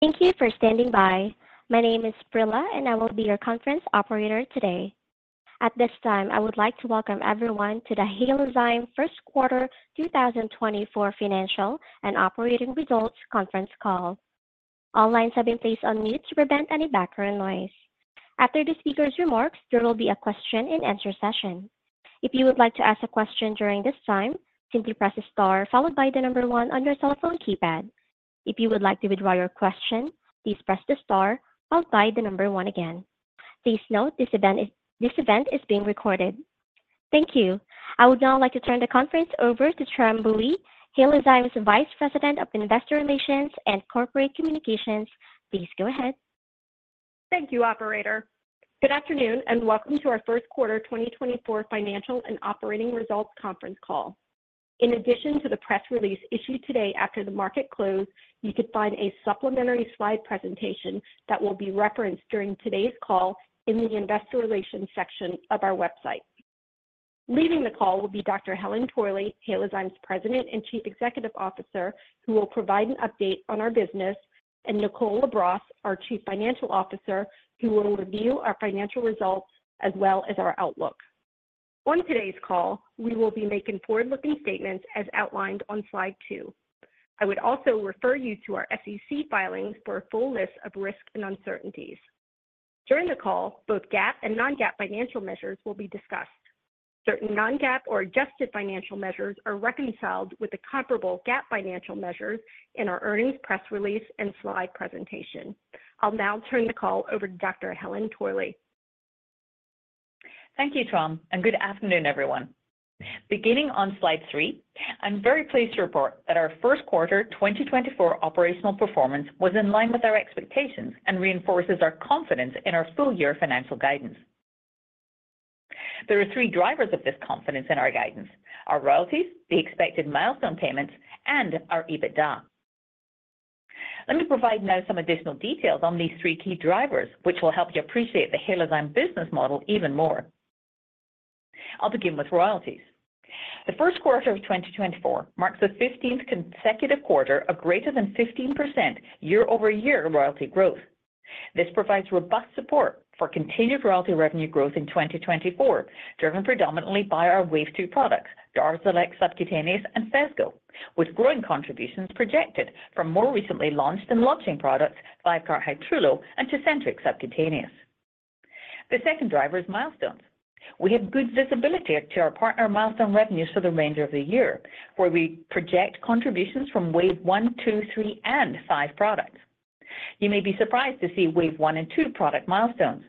Thank you for standing by. My name is Prilla, and I will be your conference operator today. At this time, I would like to welcome everyone to the Halozyme First Quarter 2024 Financial and Operating Results Conference Call. All lines have been placed on mute to prevent any background noise. After the speaker's remarks, there will be a question-and-answer session. If you would like to ask a question during this time, simply press the star followed by the number 1 on your cell phone keypad. If you would like to withdraw your question, please press the star followed by the number 1 again. Please note, this event is being recorded. Thank you. I would now like to turn the conference over to Tram Bui, Halozyme's Vice President of Investor Relations and Corporate Communications. Please go ahead. Thank you, operator. Good afternoon, and welcome to our First Quarter 2024 Financial and Operating Results Conference Call. In addition to the press release issued today after the market close, you could find a supplementary slide presentation that will be referenced during today's call in the Investor Relations section of our website. Leading the call will be Dr. Helen Torley, Halozyme's President and Chief Executive Officer, who will provide an update on our business, and Nicole LaBrosse, our Chief Financial Officer, who will review our financial results as well as our outlook. On today's call, we will be making forward-looking statements as outlined on slide 2. I would also refer you to our SEC filings for a full list of risks and uncertainties. During the call, both GAAP and non-GAAP financial measures will be discussed. Certain non-GAAP or adjusted financial measures are reconciled with the comparable GAAP financial measures in our earnings press release and slide presentation. I'll now turn the call over to Dr. Helen Torley. Thank you, Tram, and good afternoon, everyone. Beginning on slide 3, I'm very pleased to report that our First Quarter 2024 operational performance was in line with our expectations and reinforces our confidence in our full-year financial guidance. There are three drivers of this confidence in our guidance: our royalties, the expected milestone payments, and our EBITDA. Let me provide now some additional details on these three key drivers, which will help you appreciate the Halozyme business model even more. I'll begin with royalties. The First Quarter of 2024 marks the 15th consecutive quarter of greater than 15% year-over-year royalty growth. This provides robust support for continued royalty revenue growth in 2024, driven predominantly by our Wave 2 products, DARZALEX Subcutaneous and Phesgo, with growing contributions projected from more recently launched and launching products, VYVGART Hytrulo, and Tecentriq Subcutaneous. The second driver is milestones. We have good visibility to our partner milestone revenues for the remainder of the year, where we project contributions from Wave 1, 2, 3, and 5 products. You may be surprised to see Wave 1 and 2 product milestones.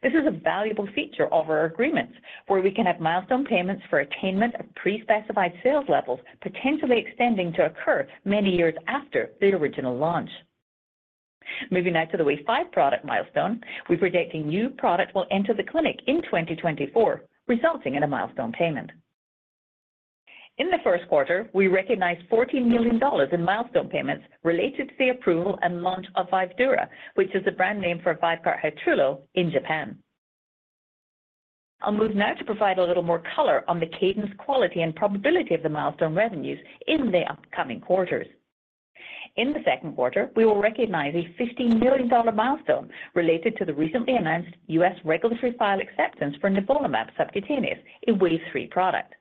This is a valuable feature of our agreements, where we can have milestone payments for attainment of pre-specified sales levels potentially extending to occur many years after the original launch. Moving now to the Wave 5 product milestone, we predict a new product will enter the clinic in 2024, resulting in a milestone payment. In the first quarter, we recognize $14 million in milestone payments related to the approval and launch of Vyvdura, which is the brand name for VYVGART Hytrulo in Japan. I'll move now to provide a little more color on the cadence, quality, and probability of the milestone revenues in the upcoming quarters. In the Second Quarter, we will recognize a $15 million milestone related to the recently announced U.S. regulatory file acceptance for nivolumab subcutaneous, a Wave 3 product.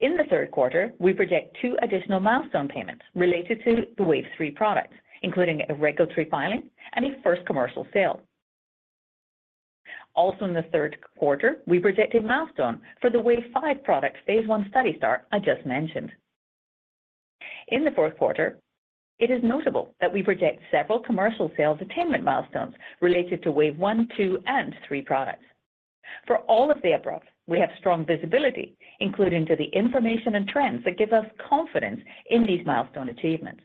In the Third Quarter, we project two additional milestone payments related to the Wave 3 products, including a regulatory filing and a first commercial sale. Also, in the Third Quarter, we project a milestone for the Wave 5 product phase 1 study start I just mentioned. In the Fourth Quarter, it is notable that we project several commercial sales attainment milestones related to Wave 1, 2, and 3 products. For all of the above, we have strong visibility, including to the information and trends that give us confidence in these milestone achievements.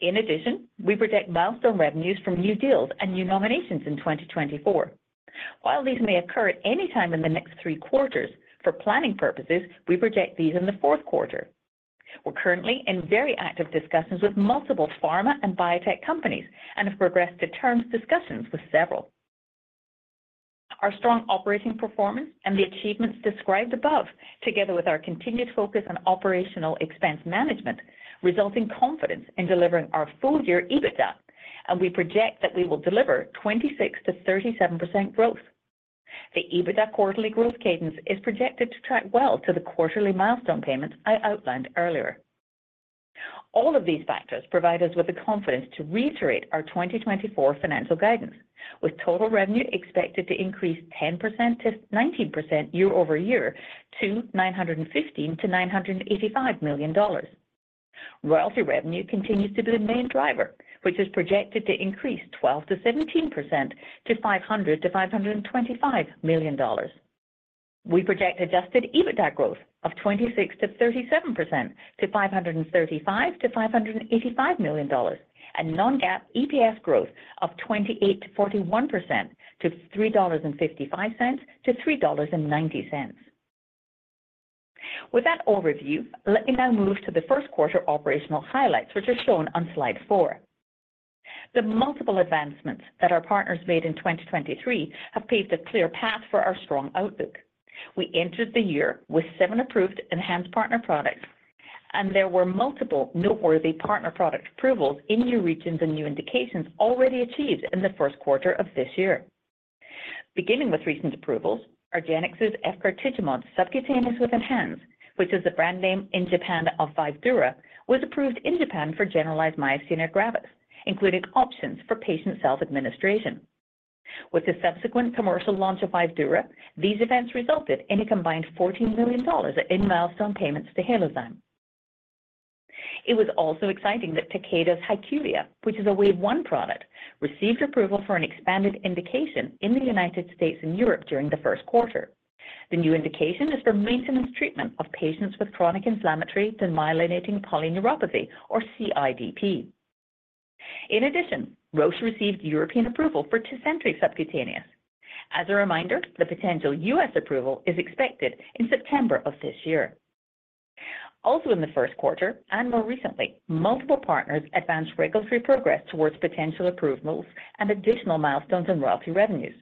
In addition, we project milestone revenues from new deals and new nominations in 2024. While these may occur at any time in the next three quarters, for planning purposes, we project these in the Fourth Quarter. We're currently in very active discussions with multiple pharma and biotech companies and have progressed to terms discussions with several. Our strong operating performance and the achievements described above, together with our continued focus on operational expense management, result in confidence in delivering our full-year EBITDA, and we project that we will deliver 26%-37% growth. The EBITDA quarterly growth cadence is projected to track well to the quarterly milestone payments I outlined earlier. All of these factors provide us with the confidence to reiterate our 2024 financial guidance, with total revenue expected to increase 10%-19% year-over-year to $915-$985 million. Royalty revenue continues to be the main driver, which is projected to increase 12%-17% to $500-$525 million. We project adjusted EBITDA growth of 26%-37% to $535-$585 million and non-GAAP EPS growth of 28%-41% to $3.55-$3.90. With that overview, let me now move to the first quarter operational highlights, which are shown on slide 4. The multiple advancements that our partners made in 2023 have paved a clear path for our strong outlook. We entered the year with seven approved ENHANZE partner products, and there were multiple noteworthy partner product approvals in new regions and new indications already achieved in the first quarter of this year. Beginning with recent approvals, argenx's efgartigimod subcutaneous with ENHANZE, which is the brand name in Japan of Vyvdura, was approved in Japan for generalized myasthenia gravis, including options for patient self-administration. With the subsequent commercial launch of Vyvdura, these events resulted in a combined $14 million in milestone payments to Halozyme. It was also exciting that Takeda's HYQVIA, which is a Wave 1 product, received approval for an expanded indication in the United States and Europe during the first quarter. The new indication is for maintenance treatment of patients with chronic inflammatory demyelinating polyneuropathy, or CIDP. In addition, Roche received European approval for Tecentriq Subcutaneous. As a reminder, the potential U.S. approval is expected in September of this year. Also, in the first quarter and more recently, multiple partners advanced regulatory progress towards potential approvals and additional milestones in royalty revenues.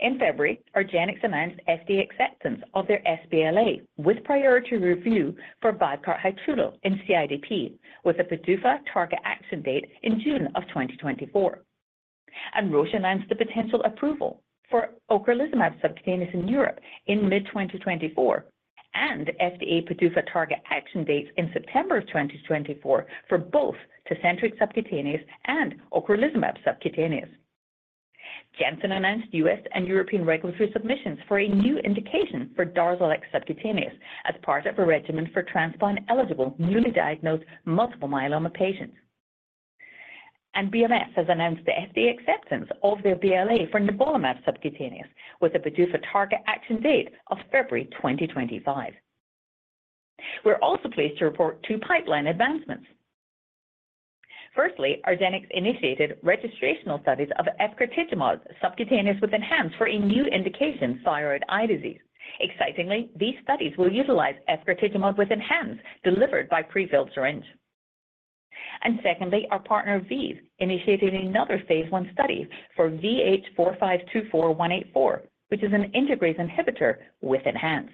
In February, argenx announced FDA acceptance of their sBLA with priority review for VYVGART Hytrulo in CIDP, with a PDUFA target action date in June of 2024. Roche announced the potential approval for Ocrevus Subcutaneous in Europe in mid-2024 and FDA PDUFA target action dates in September of 2024 for both Tecentriq Subcutaneous and Ocrevus Subcutaneous. Janssen announced US and European regulatory submissions for a new indication for DARZALEX subcutaneous as part of a regimen for transplant-eligible newly diagnosed multiple myeloma patients. BMS has announced the FDA acceptance of their BLA for nivolumab subcutaneous with a PDUFA target action date of February 2025. We're also pleased to report two pipeline advancements. Firstly, argenx initiated registrational studies of efgartigimod subcutaneous with ENHANZE for a new indication, thyroid eye disease. Excitingly, these studies will utilize efgartigimod with ENHANZE delivered by prefilled syringe. Secondly, our partner ViiV initiated another phase 1 study for VH4524184, which is an integrase inhibitor with ENHANZE.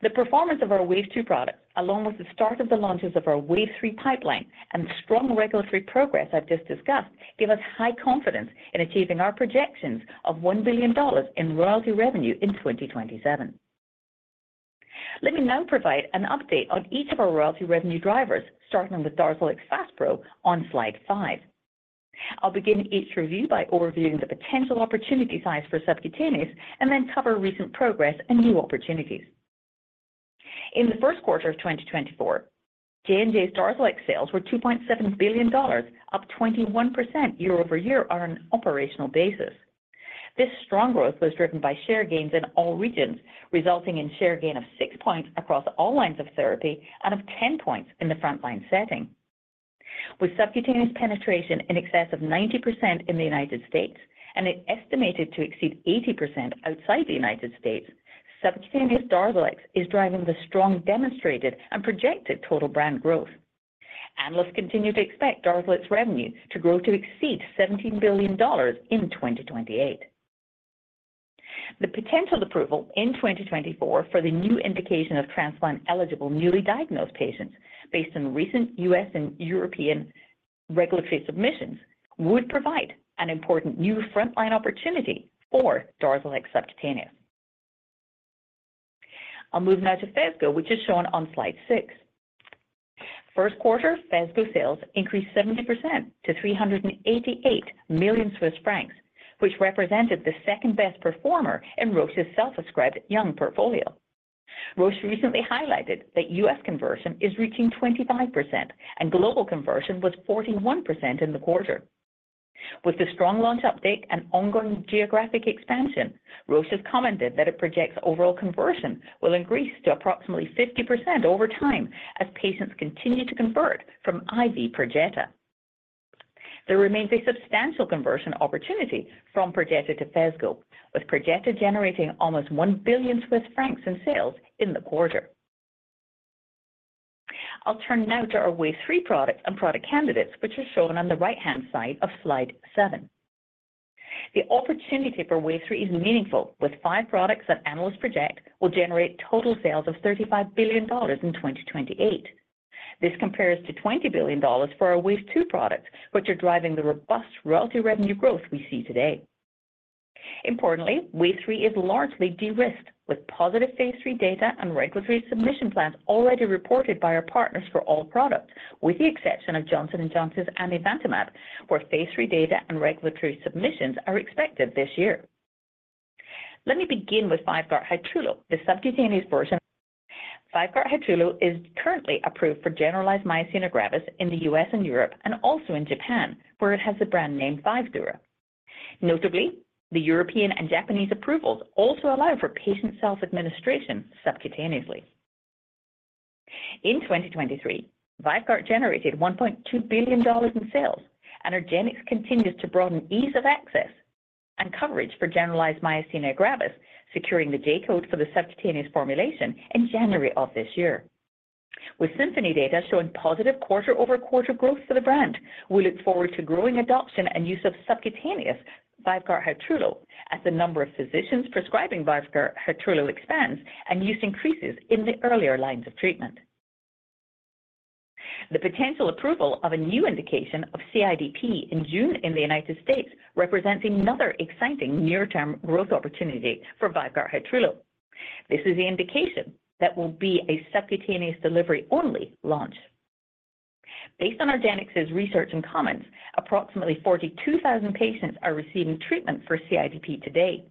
The performance of our Wave 2 products, along with the start of the launches of our Wave 3 pipeline and the strong regulatory progress I've just discussed, give us high confidence in achieving our projections of $1 billion in royalty revenue in 2027. Let me now provide an update on each of our royalty revenue drivers, starting with DARZALEX FASPRO on slide 5. I'll begin each review by overviewing the potential opportunity size for subcutaneous and then cover recent progress and new opportunities. In the first quarter of 2024, J&J's DARZALEX sales were $2.7 billion, up 21% year-over-year on an operational basis. This strong growth was driven by share gains in all regions, resulting in a share gain of 6 points across all lines of therapy and of 10 points in the frontline setting. With subcutaneous penetration in excess of 90% in the United States and estimated to exceed 80% outside the United States, subcutaneous DARZALEX is driving the strong demonstrated and projected total brand growth. Analysts continue to expect DARZALEX revenue to grow to exceed $17 billion in 2028. The potential approval in 2024 for the new indication of transplant-eligible newly diagnosed patients, based on recent U.S. and European regulatory submissions, would provide an important new frontline opportunity for DARZALEX FASPRO. I'll move now to Phesgo, which is shown on slide 6. First Quarter, Phesgo sales increased 70% to 388 million Swiss francs, which represented the second best performer in Roche's subcutaneous oncology portfolio. Roche recently highlighted that U.S. conversion is reaching 25%, and global conversion was 41% in the quarter. With the strong launch update and ongoing geographic expansion, Roche has commented that it projects overall conversion will increase to approximately 50% over time as patients continue to convert from IV Perjeta. There remains a substantial conversion opportunity from Perjeta to Phesgo, with Perjeta generating almost 1 billion Swiss francs in sales in the quarter. I'll turn now to our Wave 3 products and product candidates, which are shown on the right-hand side of slide 7. The opportunity for Wave 3 is meaningful, with five products that analysts project will generate total sales of $35 billion in 2028. This compares to $20 billion for our Wave 2 products, which are driving the robust royalty revenue growth we see today. Importantly, Wave 3 is largely de-risked, with positive phase 3 data and regulatory submission plans already reported by our partners for all products, with the exception of Johnson & Johnson's amivantamab, where phase 3 data and regulatory submissions are expected this year. Let me begin with VYVGART Hytrulo, the subcutaneous version. VYVGART Hytrulo is currently approved for generalized myasthenia gravis in the U.S. and Europe and also in Japan, where it has the brand name Vyvdura. Notably, the European and Japanese approvals also allow for patient self-administration subcutaneously. In 2023, VYVGART generated $1.2 billion in sales, and argenx continues to broaden ease of access and coverage for generalized myasthenia gravis, securing the J-code for the subcutaneous formulation in January of this year. With Symphony data showing positive quarter-over-quarter growth for the brand, we look forward to growing adoption and use of subcutaneous VYVGART Hytrulo as the number of physicians prescribing VYVGART Hytrulo expands and use increases in the earlier lines of treatment. The potential approval of a new indication of CIDP in June in the United States represents another exciting near-term growth opportunity for VYVGART Hytrulo. This is the indication that will be a Subcutaneous Delivery Only launch. Based on argenx's research and comments, approximately 42,000 patients are receiving treatment for CIDP today.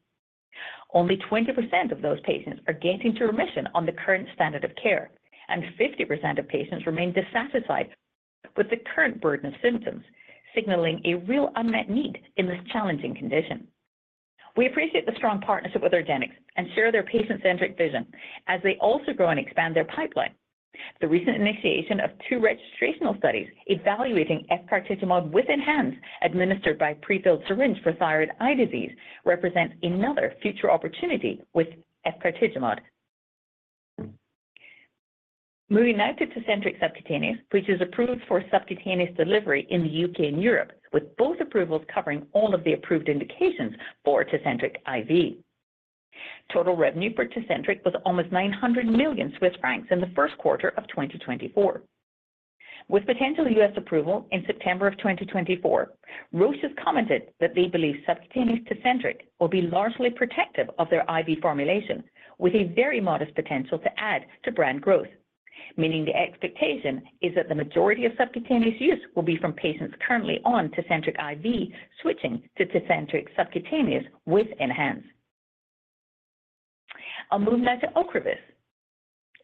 Only 20% of those patients are getting to remission on the current standard of care, and 50% of patients remain dissatisfied with the current burden of symptoms, signaling a real unmet need in this challenging condition. We appreciate the strong partnership with argenx and share their patient-centric vision as they also grow and expand their pipeline. The recent initiation of two registrational studies evaluating efgartigimod with ENHANZE, administered by prefilled syringe for thyroid eye disease, represents another future opportunity with efgartigimod. Moving now to Tecentriq subcutaneous, which is approved for subcutaneous delivery in the U.K. and Europe, with both approvals covering all of the approved indications for Tecentriq IV. Total revenue for Tecentriq was almost 900 million Swiss francs in the first quarter of 2024. With potential U.S. approval in September 2024, Roche has commented that they believe subcutaneous TECENTRIQ will be largely protective of their IV formulation, with a very modest potential to add to brand growth, meaning the expectation is that the majority of subcutaneous use will be from patients currently on TECENTRIQ IV switching to TECENTRIQ subcutaneous with ENHANZE. I'll move now to OCREVUS.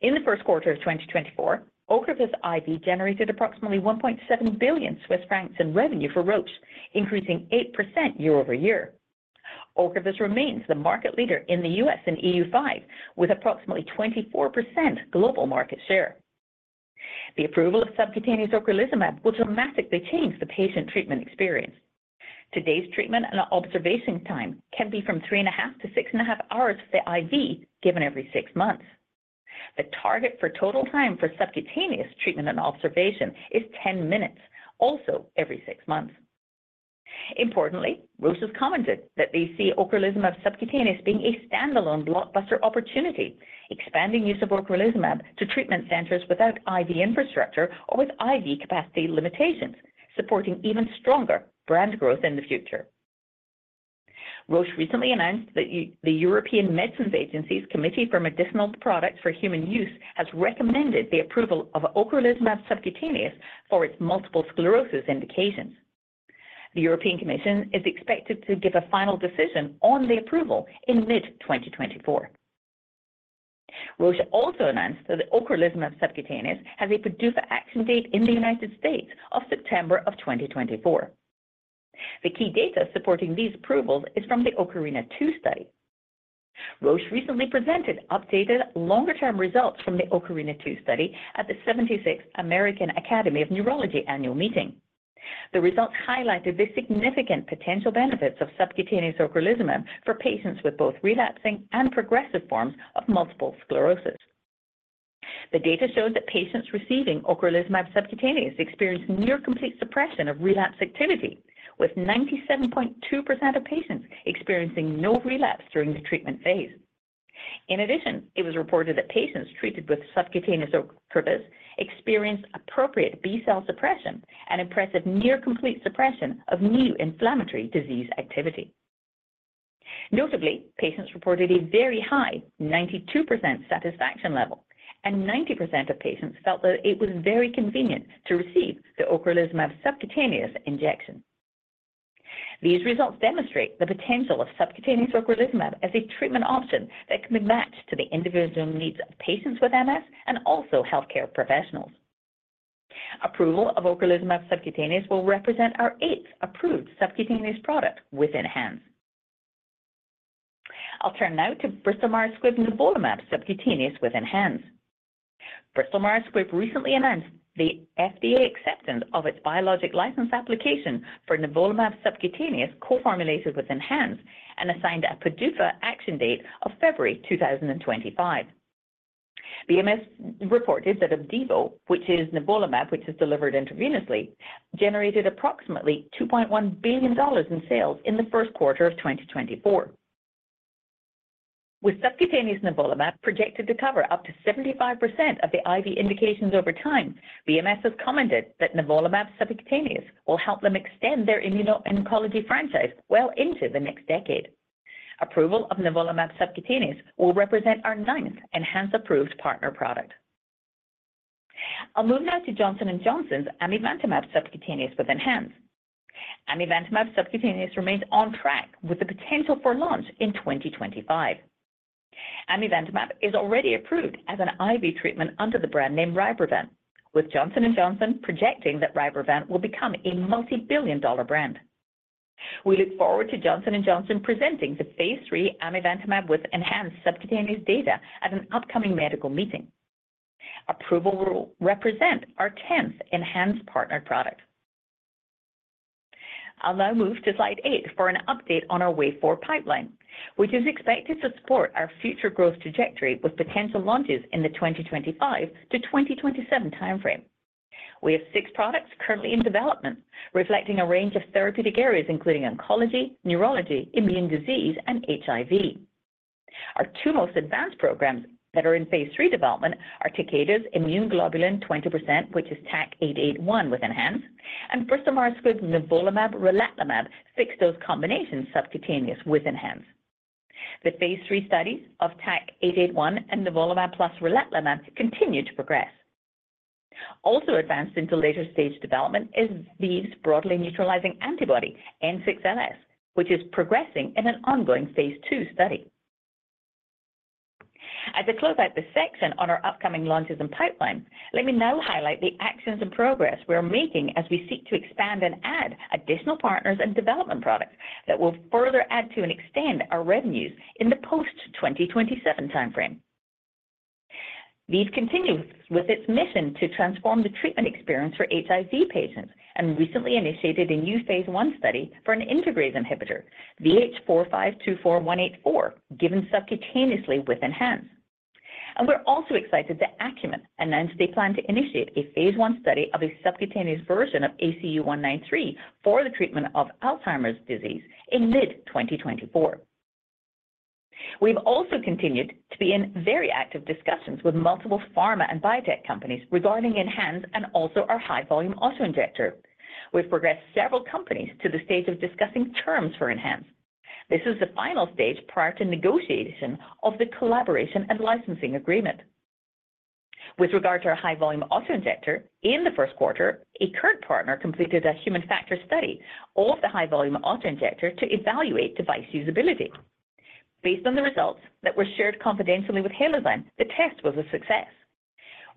In the first quarter of 2024, OCREVUS IV generated approximately 1.7 billion Swiss francs in revenue for Roche, increasing 8% year-over-year. OCREVUS remains the market leader in the U.S. and EU5, with approximately 24% global market share. The approval of subcutaneous ocrelizumab will dramatically change the patient treatment experience. Today's treatment and observation time can be from 3.5-6.5 hours for the IV, given every six months. The target for total time for subcutaneous treatment and observation is 10 minutes, also every six months. Importantly, Roche has commented that they see ocrelizumab subcutaneous being a standalone blockbuster opportunity, expanding use of ocrelizumab to treatment centers without IV infrastructure or with IV capacity limitations, supporting even stronger brand growth in the future. Roche recently announced that the European Medicines Agency's Committee for Medicinal Products for Human Use has recommended the approval of ocrelizumab subcutaneous for its multiple sclerosis indications. The European Commission is expected to give a final decision on the approval in mid-2024. Roche also announced that ocrelizumab subcutaneous has a PDUFA action date in the United States of September of 2024. The key data supporting these approvals is from the Ocarina II study. Roche recently presented updated longer-term results from the Ocarina II study at the 76th American Academy of Neurology annual meeting. The results highlighted the significant potential benefits of Subcutaneous Ocrelizumab for patients with both relapsing and progressive forms of multiple sclerosis. The data showed that patients receiving Ocrelizumab Subcutaneous experienced near-complete suppression of relapse activity, with 97.2% of patients experiencing no relapse during the treatment phase. In addition, it was reported that patients treated with Subcutaneous Ocrevus experienced appropriate B-cell suppression and impressive near-complete suppression of new inflammatory disease activity. Notably, patients reported a very high 92% satisfaction level, and 90% of patients felt that it was very convenient to receive the Ocrelizumab Subcutaneous injection. These results demonstrate the potential of Subcutaneous Ocrelizumab as a treatment option that can be matched to the individual needs of patients with MS and also healthcare professionals. Approval of Ocrelizumab Subcutaneous will represent our eighth approved Subcutaneous product with ENHANZE. I'll turn now to Bristol Myers Squibb Nivolumab Subcutaneous with ENHANZE. Myers Squibb recently announced the FDA acceptance of its Biologics License Application for nivolumab Subcutaneous coformulated with ENHANZE and assigned a PDUFA action date of February 2025. BMS reported that Opdivo, which is nivolumab which is delivered intravenously, generated approximately $2.1 billion in sales in the First Quarter of 2024. With Subcutaneous nivolumab projected to cover up to 75% of the IV indications over time, BMS has commented that nivolumab Subcutaneous will help them extend their immuno-oncology franchise well into the next decade. Approval of nivolumab Subcutaneous will represent our ninth ENHANZE-approved partner product. I'll move now to Johnson & Johnson's amivantamab Subcutaneous with ENHANZE. amivantamab Subcutaneous remains on track with the potential for launch in 2025. amivantamab is already approved as an IV treatment under the brand name RYBREVANT, with Johnson & Johnson projecting that RYBREVANT will become a multi-billion-dollar brand. We look forward to Johnson & Johnson presenting the Phase 3 amivantamab with ENHANZE Subcutaneous data at an upcoming medical meeting. Approval will represent our tenth ENHANZE partner product. I'll now move to slide 8 for an update on our Wave 4 pipeline, which is expected to support our future growth trajectory with potential launches in the 2025 to 2027 timeframe. We have six products currently in development, reflecting a range of therapeutic areas including oncology, neurology, immune disease, and HIV. Our two most advanced programs that are in Phase 3 development are Takeda's Immune Globulin 20%, which is TAK-881 with ENHANZE, and Bristol Myers Squibb Nivolumab relatlimab fixed dose combination Subcutaneous with ENHANZE. The Phase 3 studies of TAK-881 and nivolumab plus relatlimab continue to progress. Also advanced into later stage development is ViiV's broadly neutralizing antibody N6LS, which is progressing in an ongoing Phase 2 study. As I close out this section on our upcoming launches and pipeline, let me now highlight the actions and progress we are making as we seek to expand and add additional partners and development products that will further add to and extend our revenues in the post-2027 timeframe. ViiV continues with its mission to transform the treatment experience for HIV patients and recently initiated a new phase 1 study for an integrase inhibitor, VH4524184, given subcutaneously with ENHANZE. We're also excited that Acumen announced they plan to initiate a phase 1 study of a subcutaneous version of ACU193 for the treatment of Alzheimer's disease in mid-2024. We've also continued to be in very active discussions with multiple pharma and biotech companies regarding ENHANZE and also our high-volume auto-injector. We've progressed several companies to the stage of discussing terms for ENHANZE. This is the final stage prior to negotiation of the collaboration and licensing agreement. With regard to our high-volume auto injector, in the first quarter, a current partner completed a human factors study of the high-volume auto injector to evaluate device usability. Based on the results that were shared confidentially with Halozyme, the test was a success.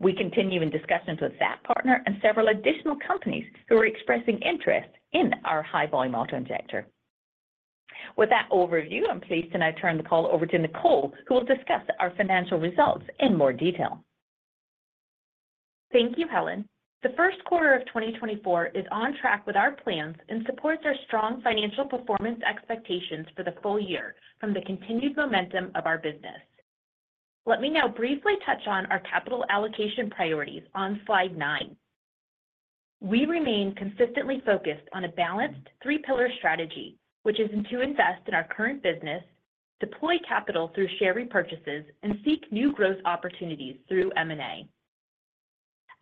We continue in discussions with that partner and several additional companies who are expressing interest in our high-volume auto injector. With that overview, I'm pleased to now turn the call over to Nicole who will discuss our financial results in more detail. Thank you, Helen. The first quarter of 2024 is on track with our plans and supports our strong financial performance expectations for the full year from the continued momentum of our business. Let me now briefly touch on our capital allocation priorities on slide 9. We remain consistently focused on a balanced three-pillar strategy, which is to invest in our current business, deploy capital through share repurchases, and seek new growth opportunities through M&A.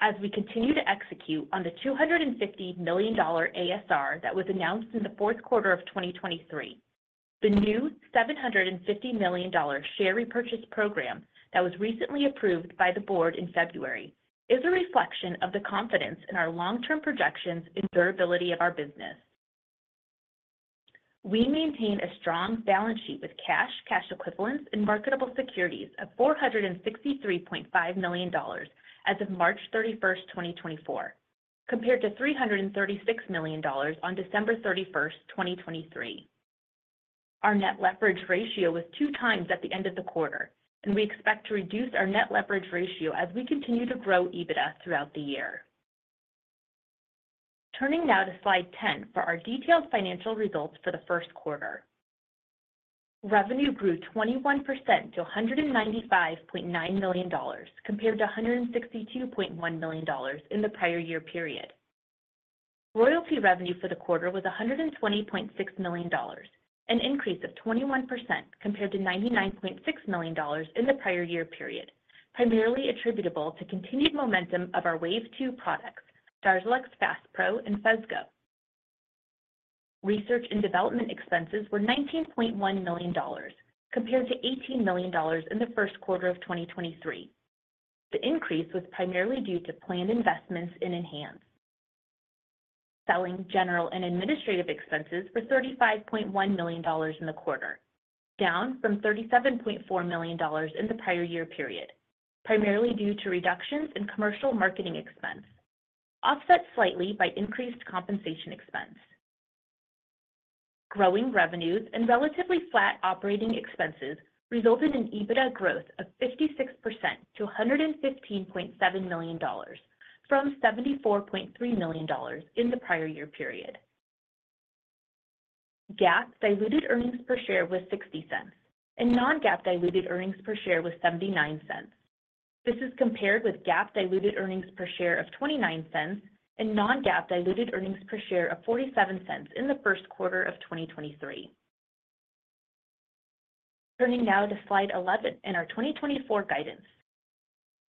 As we continue to execute on the $250 million ASR that was announced in the Fourth Quarter of 2023, the new $750 million share repurchase program that was recently approved by the board in February is a reflection of the confidence in our long-term projections in the durability of our business. We maintain a strong balance sheet with cash, cash equivalents, and marketable securities of $463.5 million as of March 31st, 2024, compared to $336 million on December 31st, 2023. Our net leverage ratio was 2x at the end of the quarter, and we expect to reduce our net leverage ratio as we continue to grow EBITDA throughout the year. Turning now to slide 10 for our detailed financial results for the first quarter. Revenue grew 21% to $195.9 million compared to $162.1 million in the prior year period. Royalty revenue for the quarter was $120.6 million, an increase of 21% compared to $99.6 million in the prior year period, primarily attributable to continued momentum of our Wave 2 products, DARZALEX FASPRO and Phesgo. Research and development expenses were $19.1 million compared to $18 million in the first quarter of 2023. The increase was primarily due to planned investments in ENHANZE. Selling, general, and administrative expenses were $35.1 million in the quarter, down from $37.4 million in the prior year period, primarily due to reductions in commercial marketing expense, offset slightly by increased compensation expense. Growing revenues and relatively flat operating expenses resulted in EBITDA growth of 56% to $115.7 million from $74.3 million in the prior year period. GAAP diluted earnings per share was $0.60, and non-GAAP diluted earnings per share was $0.79. This is compared with GAAP diluted earnings per share of $0.29 and non-GAAP diluted earnings per share of $0.47 in the first quarter of 2023. Turning now to slide 11 in our 2024 guidance.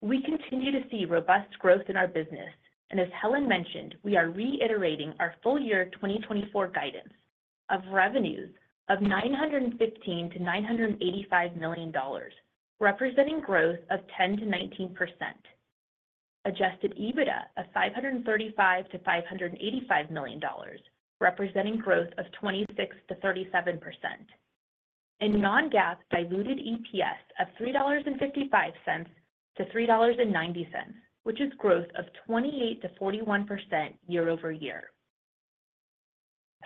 We continue to see robust growth in our business, and as Helen mentioned, we are reiterating our full year 2024 guidance of revenues of $915-$985 million, representing growth of 10%-19%. Adjusted EBITDA of $535-$585 million, representing growth of 26%-37%. And non-GAAP diluted EPS of $3.55-$3.90, which is growth of 28%-41% year-over-year.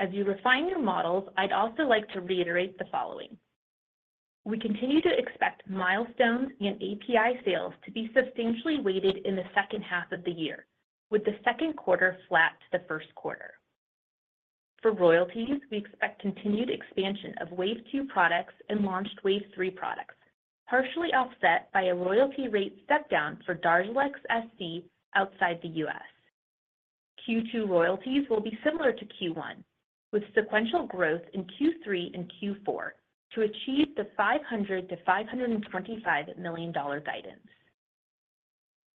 As you refine your models, I'd also like to reiterate the following. We continue to expect milestones in API sales to be substantially weighted in the second half of the year, with the second quarter flat to the first quarter. For royalties, we expect continued expansion of Wave 2 products and launched Wave 3 products, partially offset by a royalty rate stepdown for DARZALEX SC outside the U.S. Q2 royalties will be similar to Q1, with sequential growth in Q3 and Q4 to achieve the $500-$525 million guidance.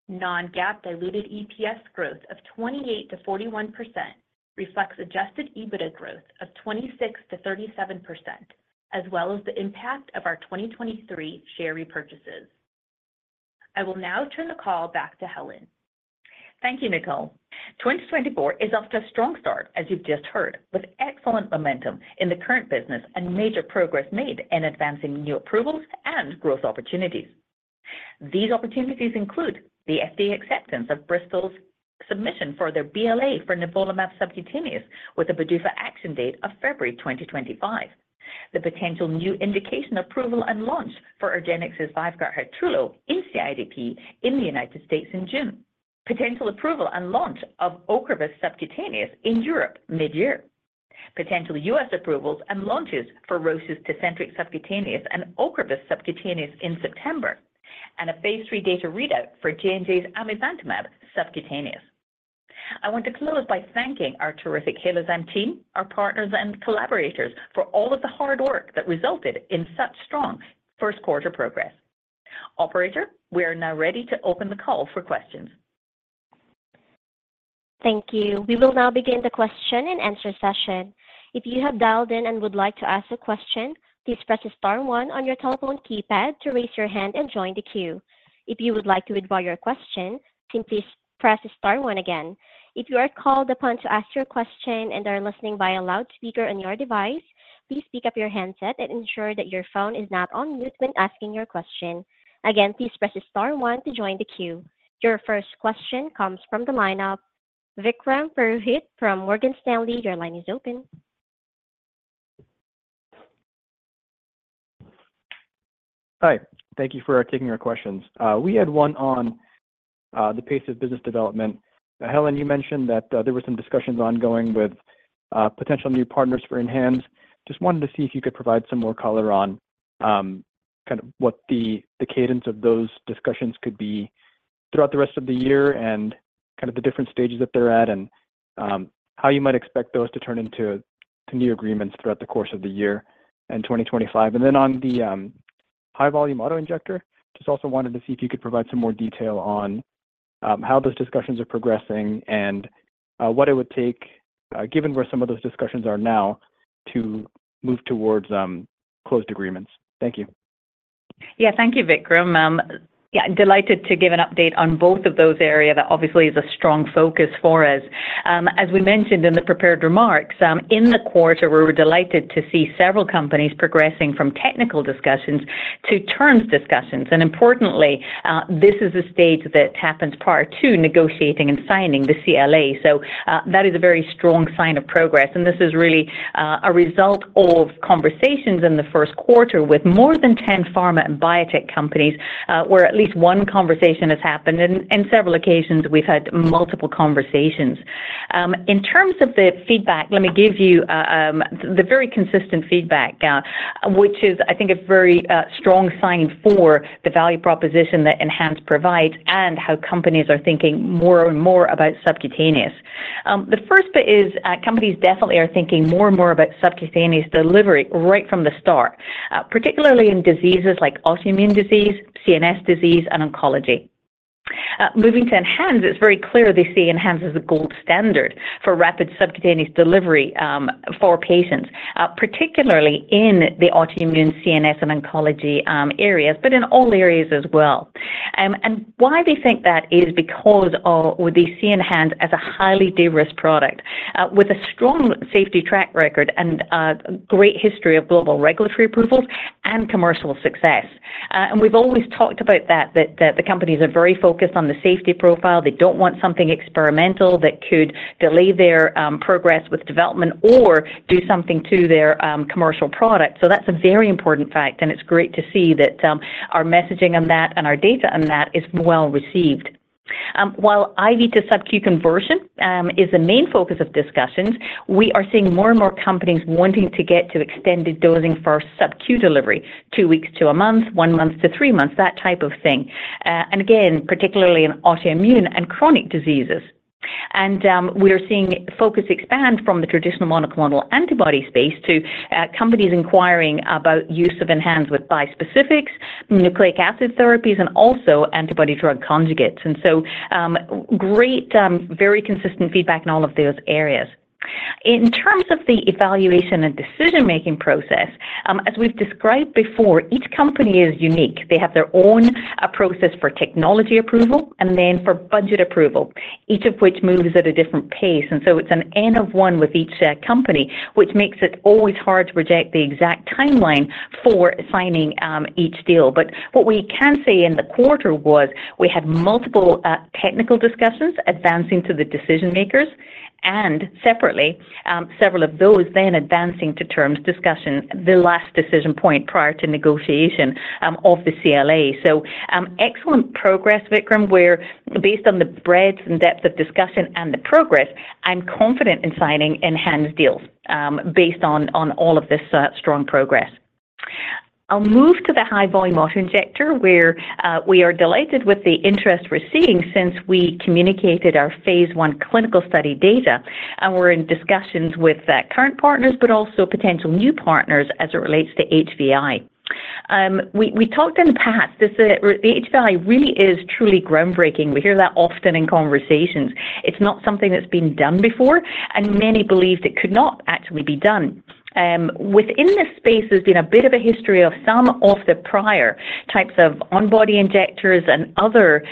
Non-GAAP diluted EPS growth of 28%-41% reflects adjusted EBITDA growth of 26%-37%, as well as the impact of our 2023 share repurchases. I will now turn the call back to Helen. Thank you, Nicole. 2024 is off to a strong start, as you've just heard, with excellent momentum in the current business and major progress made in advancing new approvals and growth opportunities. These opportunities include the FDA acceptance of Bristol Myers Squibb's submission for their BLA for nivolumab subcutaneous with a PDUFA action date of February 2025, the potential new indication approval and launch for argenx's VYVGART Hytrulo in CIDP in the United States in June, potential approval and launch of OCREVUS subcutaneous in Europe mid-year, potential US approvals and launches for Roche's TECENTRIQ subcutaneous and OCREVUS subcutaneous in September, and a phase 3 data readout for J&J's amivantamab subcutaneous. I want to close by thanking our terrific Halozyme team, our partners, and collaborators for all of the hard work that resulted in such strong First Quarter progress. Operator, we are now ready to open the call for questions. Thank you. We will now begin the question and answer session. If you have dialed in and would like to ask a question, please press star one on your telephone keypad to raise your hand and join the queue. If you would like to withdraw your question, then please press star one again. If you are called upon to ask your question and are listening via loudspeaker on your device, please pick up your handset and ensure that your phone is not on mute when asking your question. Again, please press star one to join the queue. Your first question comes from the line of Vikram Purohit from Morgan Stanley. Your line is open. Hi. Thank you for taking my questions. We had one on the pace of business development. Helen, you mentioned that there were some discussions ongoing with potential new partners for ENHANZE. Just wanted to see if you could provide some more color on kind of what the cadence of those discussions could be throughout the rest of the year and kind of the different stages that they're at and how you might expect those to turn into new agreements throughout the course of the year and 2025. And then on the high-volume auto injector, just also wanted to see if you could provide some more detail on how those discussions are progressing and what it would take, given where some of those discussions are now, to move towards closed agreements. Thank you. Yeah, thank you, Vikram. Yeah, delighted to give an update on both of those areas that obviously is a strong focus for us. As we mentioned in the prepared remarks, in the quarter, we were delighted to see several companies progressing from technical discussions to terms discussions. Importantly, this is a stage that happens prior to negotiating and signing the CLA. So that is a very strong sign of progress. And this is really a result of conversations in the first quarter with more than 10 pharma and biotech companies where at least one conversation has happened. And several occasions, we've had multiple conversations. In terms of the feedback, let me give you the very consistent feedback, which is, I think, a very strong sign for the value proposition that ENHANZE provides and how companies are thinking more and more about subcutaneous. The first bit is companies definitely are thinking more and more about subcutaneous delivery right from the start, particularly in diseases like autoimmune disease, CNS disease, and oncology. Moving to ENHANZE, it's very clear they see ENHANZE as the gold standard for rapid subcutaneous delivery for patients, particularly in the autoimmune, CNS, and oncology areas, but in all areas as well. And why they think that is because we see ENHANZE as a highly de-risk product with a strong safety track record and great history of global regulatory approvals and commercial success. And we've always talked about that, that the companies are very focused on the safety profile. They don't want something experimental that could delay their progress with development or do something to their commercial product. So that's a very important fact, and it's great to see that our messaging on that and our data on that is well received. While IV to subQ conversion is the main focus of discussions, we are seeing more and more companies wanting to get to extended dosing for subQ delivery, two weeks to a month, one month to three months, that type of thing, and again, particularly in autoimmune and chronic diseases. We are seeing focus expand from the traditional monoclonal antibody space to companies inquiring about use of ENHANZE with bispecifics, nucleic acid therapies, and also antibody-drug conjugates. So great, very consistent feedback in all of those areas. In terms of the evaluation and decision-making process, as we've described before, each company is unique. They have their own process for technology approval and then for budget approval, each of which moves at a different pace. So it's an N of 1 with each company, which makes it always hard to project the exact timeline for signing each deal. But what we can say in the quarter was we had multiple technical discussions advancing to the decision-makers and separately, several of those then advancing to terms discussion, the last decision point prior to negotiation of the CLA. So excellent progress, Vikram, where based on the breadth and depth of discussion and the progress, I'm confident in signing ENHANZE deals based on all of this strong progress. I'll move to the high-volume auto-injector where we are delighted with the interest we're seeing since we communicated our phase 1 clinical study data, and we're in discussions with current partners but also potential new partners as it relates to HVAI. We talked in the past that the HVAI really is truly groundbreaking. We hear that often in conversations. It's not something that's been done before, and many believe it could not actually be done. Within this space, there's been a bit of a history of some of the prior types of on-body injectors and other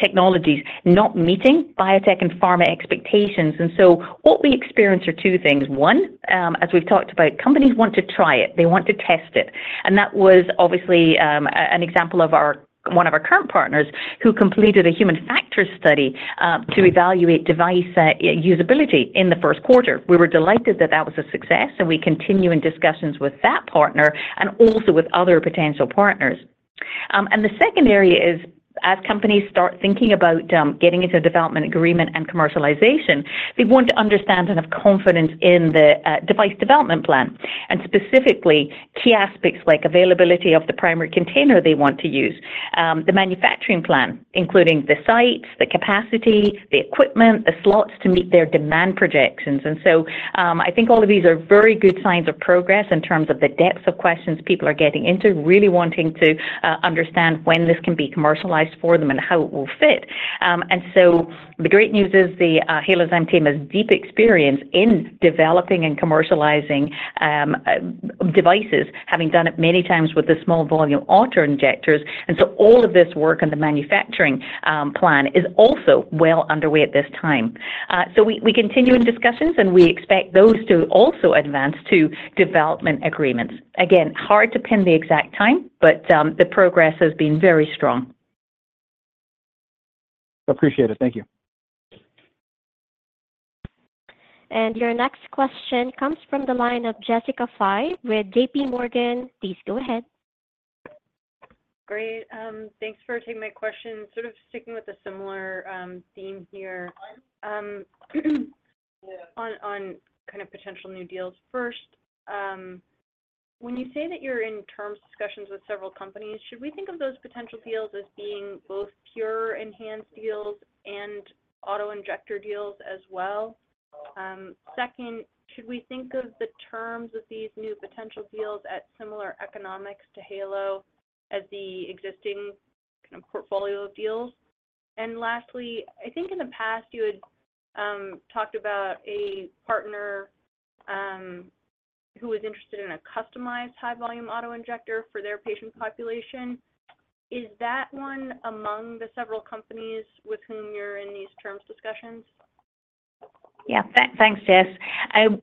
technologies not meeting biotech and pharma expectations. And so what we experience are two things. One, as we've talked about, companies want to try it. They want to test it. And that was obviously an example of one of our current partners who completed a Human Factors Study to evaluate device usability in the first quarter. We were delighted that that was a success, and we continue in discussions with that partner and also with other potential partners. The second area is, as companies start thinking about getting into a development agreement and commercialization, they want to understand and have confidence in the device development plan and specifically key aspects like availability of the primary container they want to use, the manufacturing plan, including the sites, the capacity, the equipment, the slots to meet their demand projections. I think all of these are very good signs of progress in terms of the depths of questions people are getting into, really wanting to understand when this can be commercialized for them and how it will fit. The great news is the Halozyme team has deep experience in developing and commercializing devices, having done it many times with the small-volume auto injectors. All of this work and the manufacturing plan is also well underway at this time. So we continue in discussions, and we expect those to also advance to development agreements. Again, hard to pin the exact time, but the progress has been very strong. Appreciate it. Thank you. And your next question comes from the line of Jessica Fye with J.P. Morgan. Please go ahead. Great. Thanks for taking my question. Sort of sticking with a similar theme here on kind of potential new deals. First, when you say that you're in terms discussions with several companies, should we think of those potential deals as being both pure ENHANZE deals and auto injector deals as well? Second, should we think of the terms of these new potential deals at similar economics to Halozyme as the existing kind of portfolio of deals? And lastly, I think in the past, you had talked about a partner who was interested in a customized high-volume auto injector for their patient population. Is that one among the several companies with whom you're in these terms discussions? Yeah. Thanks, Jess.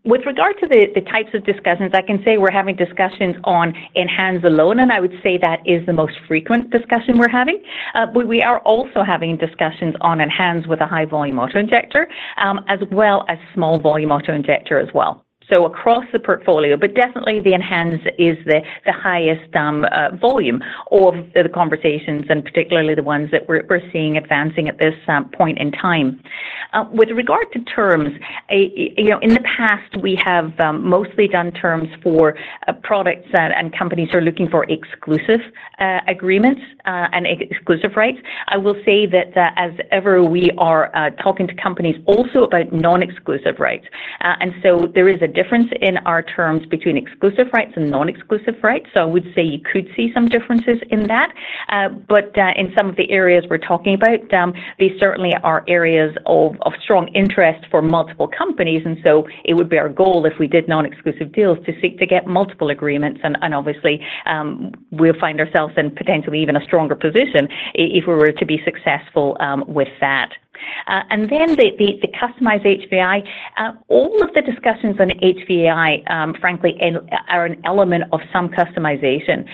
With regard to the types of discussions, I can say we're having discussions on ENHANZE alone, and I would say that is the most frequent discussion we're having. But we are also having discussions on ENHANZE with a high-volume auto injector as well as small-volume auto injector as well, so across the portfolio. But definitely, the ENHANZE is the highest volume of the conversations and particularly the ones that we're seeing advancing at this point in time. With regard to terms, in the past, we have mostly done terms for products and companies who are looking for exclusive agreements and exclusive rights. I will say that as ever, we are talking to companies also about nonexclusive rights. There is a difference in our terms between exclusive rights and nonexclusive rights. You could see some differences in that. In some of the areas we're talking about, these certainly are areas of strong interest for multiple companies. It would be our goal if we did nonexclusive deals to seek to get multiple agreements. Obviously, we'll find ourselves in potentially even a stronger position if we were to be successful with that. The customized HVAI, all of the discussions on HVAI, frankly, are an element of some customization.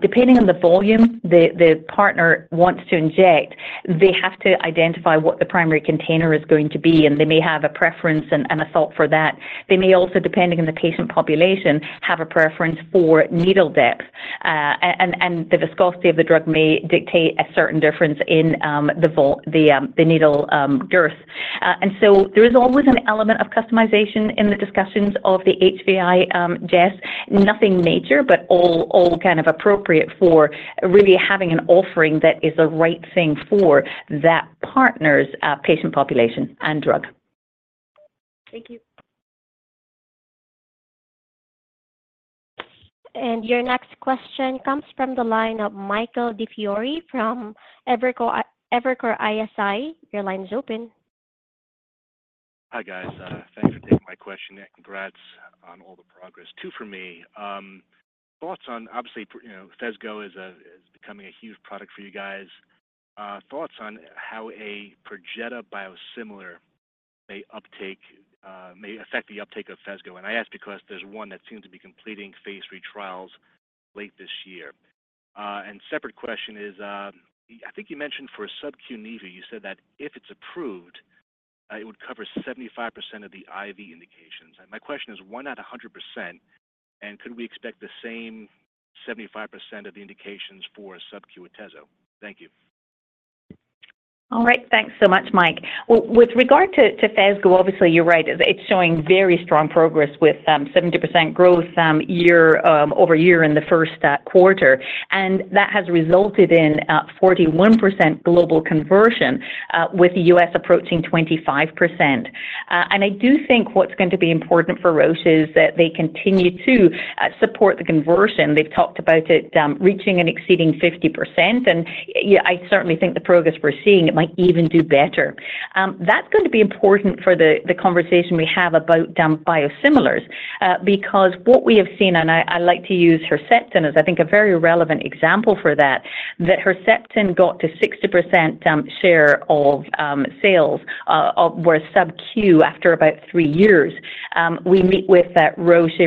Depending on the volume the partner wants to inject, they have to identify what the primary container is going to be, and they may have a preference and a thought for that. They may also, depending on the patient population, have a preference for needle depth. And the viscosity of the drug may dictate a certain difference in the needle girth. And so there is always an element of customization in the discussions of the HVAI, Jess. Nothing unnatural but all kind of appropriate for really having an offering that is the right thing for that partner's patient population and drug. Thank you. And your next question comes from the line of Michael DiFiore from Evercore ISI. Your line is open. Hi, guys. Thanks for taking my question. Congrats on all the progress too, for me. Thoughts on obviously, Phesgo is becoming a huge product for you guys. Thoughts on how a Perjeta biosimilar may affect the uptake of Phesgo. And I ask because there's one that seems to be completing phase three trials late this year. A separate question is, I think you mentioned for subQ nivolumab, you said that if it's approved, it would cover 75% of the IV indications. And my question is, why not 100%? And could we expect the same 75% of the indications for subQ atezolizumab? Thank you. All right. Thanks so much, Mike. With regard to Phesgo, obviously, you're right. It's showing very strong progress with 70% growth year-over-year in the first quarter. And that has resulted in 41% global conversion with the U.S. approaching 25%. And I do think what's going to be important for Roche is that they continue to support the conversion. They've talked about it reaching and exceeding 50%. And I certainly think the progress we're seeing, it might even do better. That's going to be important for the conversation we have about biosimilars because what we have seen, and I like to use Herceptin as I think a very relevant example for that, that Herceptin got to 60% share of sales with subQ after about 3 years. We meet with Roche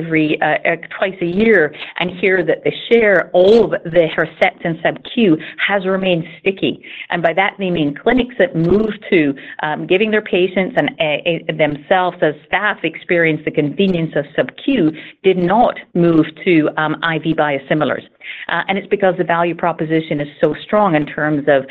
twice a year and hear that the share of the Herceptin subQ has remained sticky. And by that, they mean clinics that moved to giving their patients and themselves as staff experience the convenience of subQ did not move to IV biosimilars. And it's because the value proposition is so strong in terms of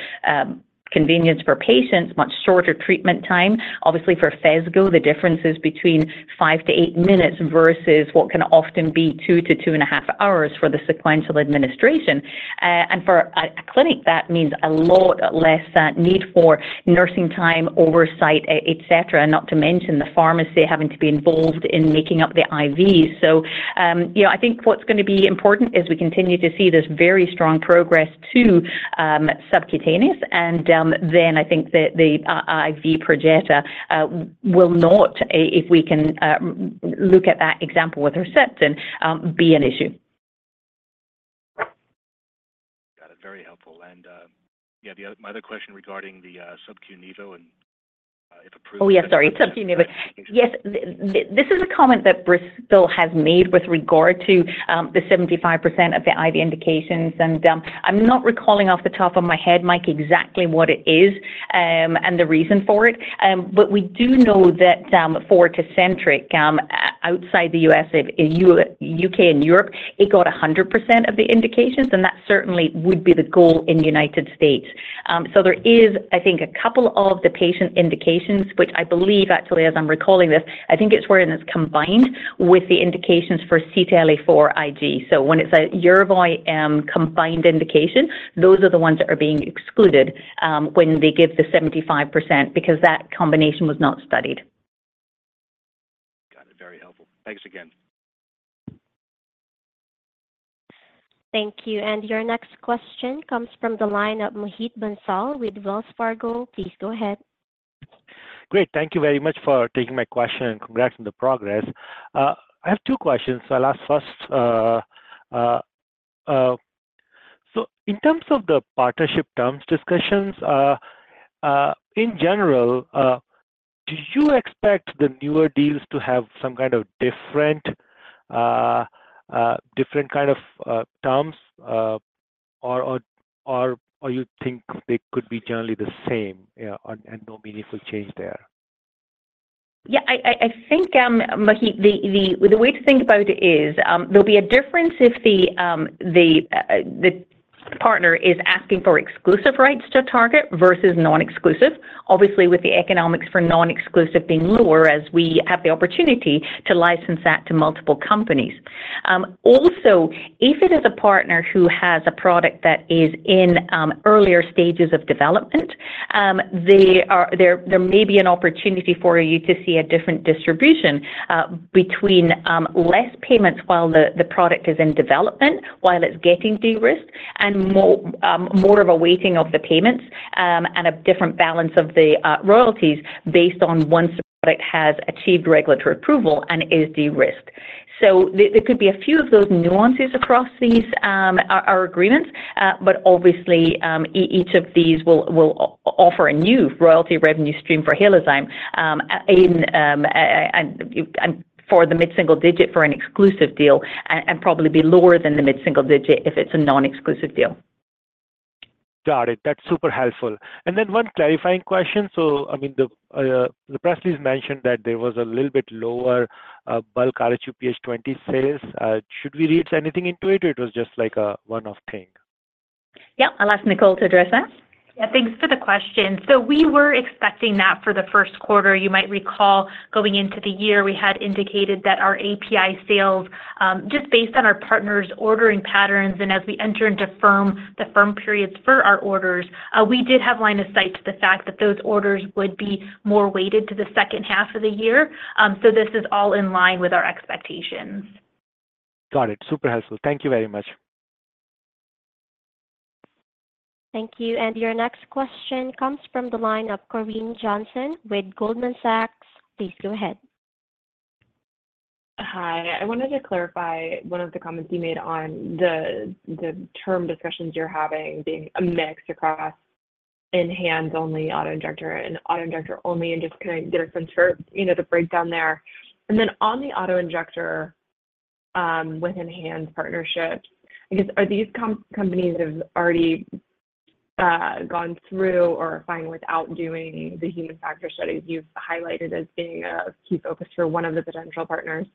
convenience for patients, much shorter treatment time. Obviously, for Phesgo, the difference is between 5-8 minutes versus what can often be 2-2.5 hours for the sequential administration. And for a clinic, that means a lot less need for nursing time, oversight, etc., not to mention the pharmacy having to be involved in making up the IVs. So I think what's going to be important is we continue to see this very strong progress to subcutaneous. And then I think that the IV Perjeta will not, if we can look at that example with Herceptin, be an issue. Got it. Very helpful. And yeah, my other question regarding the subQ nivo and if approved for subcutaneous. Oh, yeah. Sorry. SubQ nivo. Yes. This is a comment that Bristol has made with regard to the 75% of the IV indications. And I'm not recalling off the top of my head, Mike, exactly what it is and the reason for it. But we do know that for Tecentriq outside the U.S., U.K., and Europe, it got 100% of the indications, and that certainly would be the goal in the United States. So there is, I think, a couple of the patient indications, which I believe actually, as I'm recalling this, I think it's wherein it's combined with the indications for CTLA-4 I believe. So when it's a Yervoy combined indication, those are the ones that are being excluded when they give the 75% because that combination was not studied. Got it. Very helpful. Thanks again. Thank you. And your next question comes from the line of Mohit Bansal with Wells Fargo. Please go ahead. Great. Thank you very much for taking my question and congrats on the progress. I have two questions. So I'll ask first. So in terms of the partnership terms discussions, in general, do you expect the newer deals to have some kind of different kind of terms, or you think they could be generally the same and no meaningful change there? Yeah. I think, Mohit, the way to think about it is there'll be a difference if the partner is asking for exclusive rights to target versus nonexclusive, obviously with the economics for nonexclusive being lower as we have the opportunity to license that to multiple companies. Also, if it is a partner who has a product that is in earlier stages of development, there may be an opportunity for you to see a different distribution between less payments while the product is in development, while it's getting de-risked, and more of a waiting of the payments and a different balance of the royalties based on once the product has achieved regulatory approval and is de-risked. So there could be a few of those nuances across these agreements. But obviously, each of these will offer a new royalty revenue stream for Halozyme for the mid-single digit for an exclusive deal and probably be lower than the mid-single digit if it's a nonexclusive deal. Got it. That's super helpful. And then one clarifying question. So I mean, the press release mentioned that there was a little bit lower bulk rHuPH20 sales. Should we read anything into it, or it was just like a one-off thing? Yeah. I'll ask Nicole to address that. Yeah. Thanks for the question. So we were expecting that for the first quarter. You might recall going into the year, we had indicated that our API sales, just based on our partners' ordering patterns and as we enter into the firm periods for our orders, we did have line of sight to the fact that those orders would be more weighted to the second half of the year. So this is all in line with our expectations. Got it. Super helpful. Thank you very much. Thank you. And your next question comes from the line of Corinne Jenkins with Goldman Sachs. Please go ahead. Hi. I wanted to clarify one of the comments you made on the term discussions you're having being a mix across ENHANZE-only auto-injector and auto-injector only and just kind of get a sense for the breakdown there. And then on the auto-injector with ENHANZE partnerships, I guess, are these companies that have already gone through or are fine without doing the human factors studies you've highlighted as being a key focus for one of the potential partners?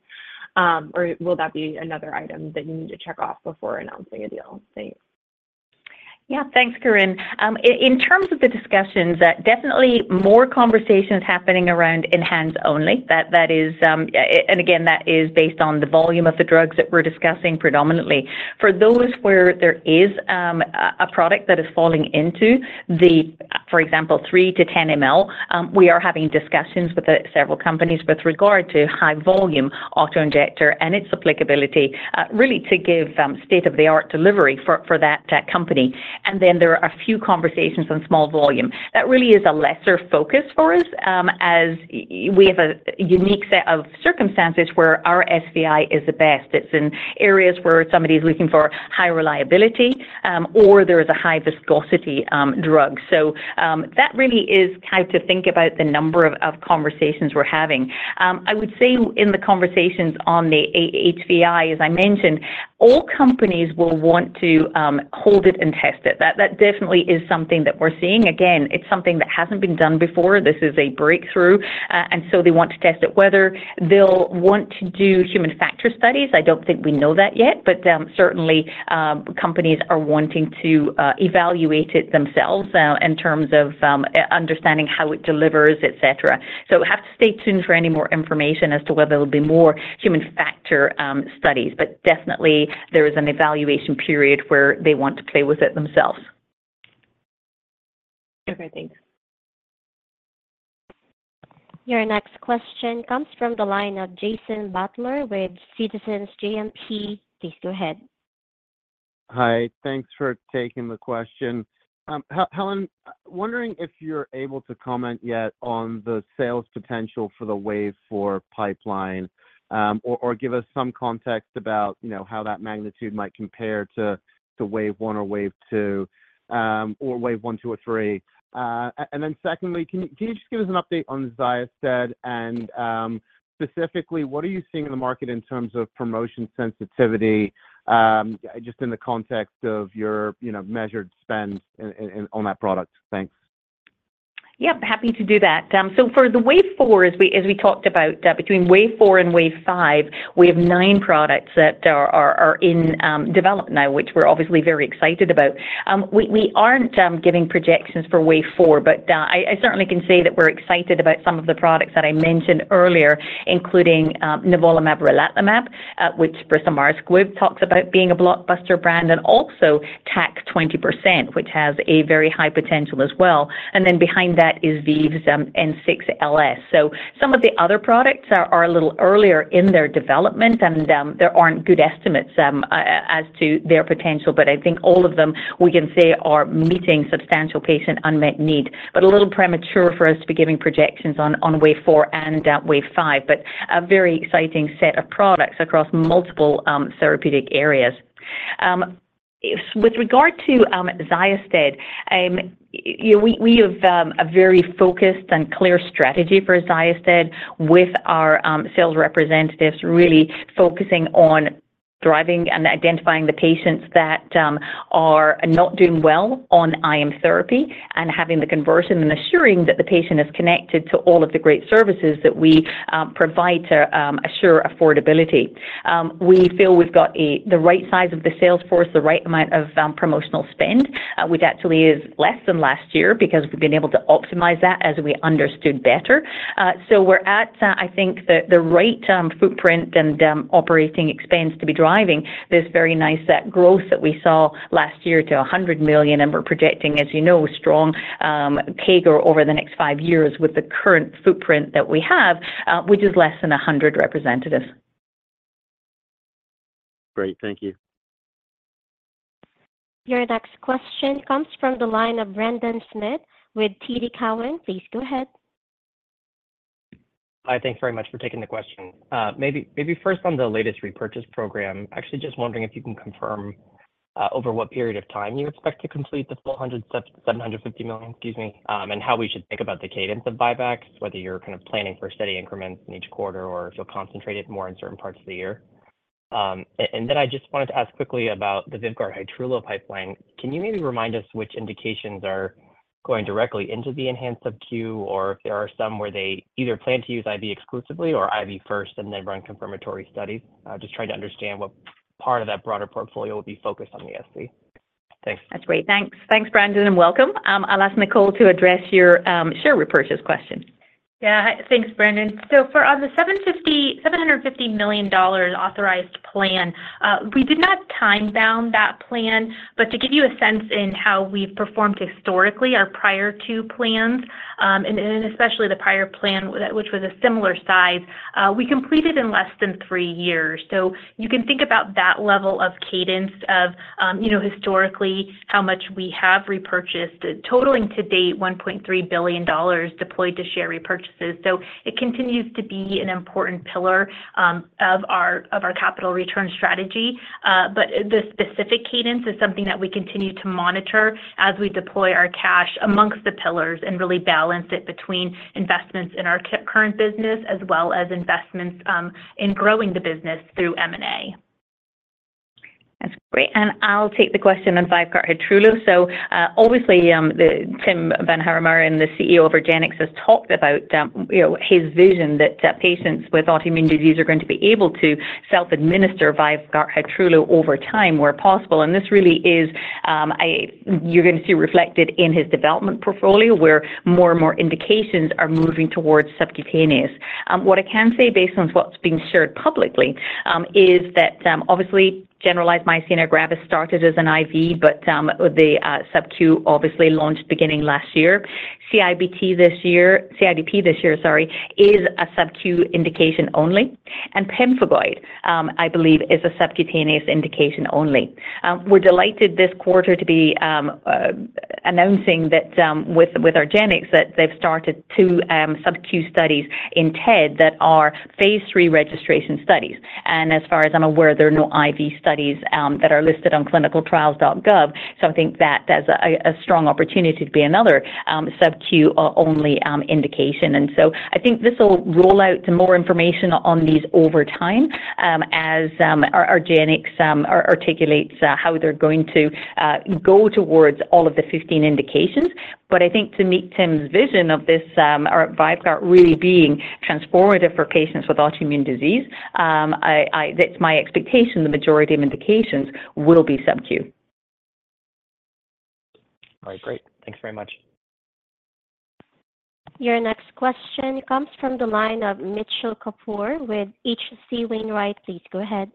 Or will that be another item that you need to check off before announcing a deal? Thanks. Yeah. Thanks, Corinne. In terms of the discussions, definitely more conversations happening around ENHANZE-only. And again, that is based on the volume of the drugs that we're discussing predominantly. For those where there is a product that is falling into, for example, 3-10 ml, we are having discussions with several companies with regard to high-volume auto injector and its applicability, really to give state-of-the-art delivery for that company. And then there are a few conversations on small volume. That really is a lesser focus for us as we have a unique set of circumstances where our SVI is the best. It's in areas where somebody is looking for high reliability or there is a high viscosity drug. So that really is how to think about the number of conversations we're having. I would say in the conversations on the HVI, as I mentioned, all companies will want to hold it and test it. That definitely is something that we're seeing. Again, it's something that hasn't been done before. This is a breakthrough. And so they want to test it. Whether they'll want to do human factor studies, I don't think we know that yet. But certainly, companies are wanting to evaluate it themselves in terms of understanding how it delivers, etc. So have to stay tuned for any more information as to whether there'll be more human factor studies. But definitely, there is an evaluation period where they want to play with it themselves. Okay. Thanks. Your next question comes from the line of Jason Butler with Citizens JMP. Please go ahead. Hi. Thanks for taking the question. Helen, wondering if you're able to comment yet on the sales potential for the Wave 4 pipeline or give us some context about how that magnitude might compare to Wave 1 or Wave 2 or Wave 1, 2, or 3. And then secondly, can you just give us an update on XYOSTED? Specifically, what are you seeing in the market in terms of promotion sensitivity just in the context of your measured spend on that product? Thanks. Yeah. Happy to do that. So for the Wave 4, as we talked about, between Wave 4 and Wave 5, we have nine products that are in development now, which we're obviously very excited about. We aren't giving projections for Wave 4, but I certainly can say that we're excited about some of the products that I mentioned earlier, including nivolumab relatlimab, which Bristol Myers Squibb talks about being a blockbuster brand, and also TAK-881, which has a very high potential as well. And then behind that is ViiV's N6LS. So some of the other products are a little earlier in their development, and there aren't good estimates as to their potential. But I think all of them, we can say, are meeting substantial patient unmet need but a little premature for us to be giving projections on Wave 4 and Wave 5, but a very exciting set of products across multiple therapeutic areas. With regard to XYOSTED, we have a very focused and clear strategy for XYOSTED with our sales representatives really focusing on driving and identifying the patients that are not doing well on IM therapy and having the conversion and assuring that the patient is connected to all of the great services that we provide to assure affordability. We feel we've got the right size of the sales force, the right amount of promotional spend, which actually is less than last year because we've been able to optimize that as we understood better. So we're at, I think, the right footprint and operating expense to be driving this very nice growth that we saw last year to $100 million. And we're projecting, as you know, strong CAGR over the next 5 years with the current footprint that we have, which is less than 100 representatives. Great. Thank you. Your next question comes from the line of Brendan Smith with TD Cowen. Please go ahead Hi. Thanks very much for taking the question. Maybe first on the latest repurchase program, actually just wondering if you can confirm over what period of time you expect to complete the full $175 million - excuse me - and how we should think about the cadence of buybacks, whether you're kind of planning for steady increments in each quarter or if you'll concentrate it more in certain parts of the year. Then I just wanted to ask quickly about the VYVGART Hytrulo pipeline. Can you maybe remind us which indications are going directly into the ENHANZE subQ or if there are some where they either plan to use IV exclusively or IV first and then run confirmatory studies? Just trying to understand what part of that broader portfolio would be focused on the SC. Thanks. That's great. Thanks. Thanks, Brendan, and welcome. I'll ask Nicole to address your share repurchase question. Yeah. Thanks, Brendan. So on the $750 million authorized plan, we did not time-bound that plan. But to give you a sense in how we've performed historically, our prior two plans, and especially the prior plan which was a similar size, we completed in less than three years. So you can think about that level of cadence of historically how much we have repurchased, totaling to date $1.3 billion deployed to share repurchases. So it continues to be an important pillar of our capital return strategy. But the specific cadence is something that we continue to monitor as we deploy our cash amongst the pillars and really balance it between investments in our current business as well as investments in growing the business through M&A. That's great. And I'll take the question on VYVGART Hytrulo. So obviously, Tim Van Hauwermeiren, the CEO of argenx, has talked about his vision that patients with autoimmune disease are going to be able to self-administer VYVGART Hytrulo over time where possible. And this really is you're going to see reflected in his development portfolio where more and more indications are moving towards subcutaneous. What I can say based on what's been shared publicly is that obviously, generalized myasthenia gravis started as an IV, but the subQ obviously launched beginning last year. CIDP this year, sorry, is a subQ indication only. And pemphigoid, I believe, is a subcutaneous indication only. We're delighted this quarter to be announcing with argenx that they've started 2 subQ studies in TED that are phase 3 registration studies. And as far as I'm aware, there are no IV studies that are listed on ClinicalTrials.gov. So I think that that's a strong opportunity to be another subQ-only indication. And so I think this will roll out to more information on these over time as argenx articulates how they're going to go towards all of the 15 indications. But I think to meet Tim's vision of this VYVGART really being transformative for patients with autoimmune disease, it's my expectation the majority of indications will be subQ. All right. Great. Thanks very much. Your next question comes from the line of Mitchell Kapoor with H.C. Wainwright. Please go ahead.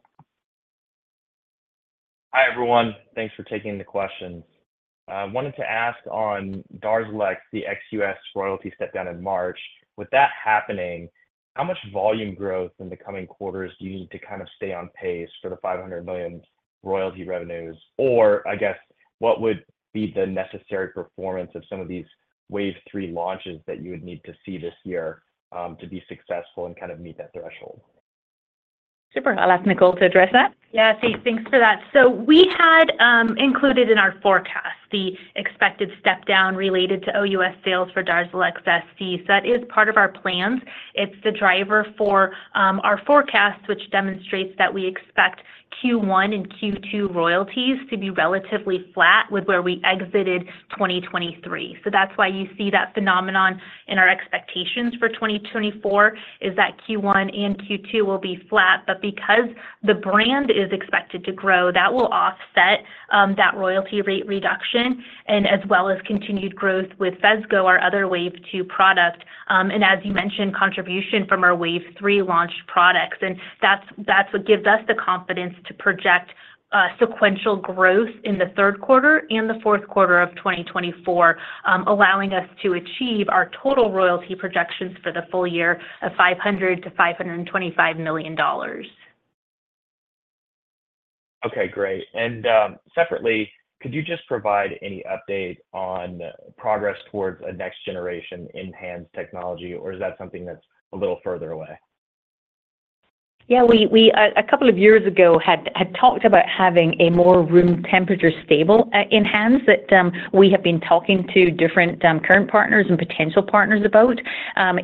Hi, everyone. Thanks for taking the questions. I wanted to ask on DARZALEX, the ex-US royalty step-down in March. With that happening, how much volume growth in the coming quarters do you need to kind of stay on pace for the $500 million royalty revenues? Or I guess, what would be the necessary performance of some of these Wave 3 launches that you would need to see this year to be successful and kind of meet that threshold? Super. I'll ask Nicole to address that. Yeah. See, thanks for that. So we had included in our forecast the expected step-down related to OUS sales for DARZALEX SC. So that is part of our plans. It's the driver for our forecast, which demonstrates that we expect Q1 and Q2 royalties to be relatively flat with where we exited 2023. So that's why you see that phenomenon in our expectations for 2024, is that Q1 and Q2 will be flat. But because the brand is expected to grow, that will offset that royalty rate reduction and as well as continued growth with Phesgo, our other Wave 2 product, and as you mentioned, contribution from our Wave 3 launched products. And that's what gives us the confidence to project sequential growth in the third quarter and the fourth quarter of 2024, allowing us to achieve our total royalty projections for the full year of $500 million-$525 million. Okay. Great. And separately, could you just provide any update on progress towards a next generation ENHANZE technology, or is that something that's a little further away? Yeah. A couple of years ago, had talked about having a more room temperature stable ENHANZE that we have been talking to different current partners and potential partners about.